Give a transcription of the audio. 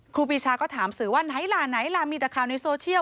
ครูปีชาก็ถามสื่อว่าไหนล่ะไหนล่ะมีแต่ข่าวในโซเชียล